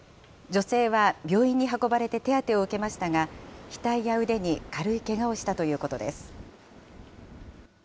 女性は病院に運ばれて手当てを受けましたが、額や腕に軽いけがをしたということです。